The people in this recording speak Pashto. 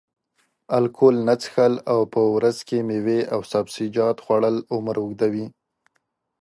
الکول نه څښل او په ورځ کې میوې او سبزیجات خوړل عمر اوږدوي.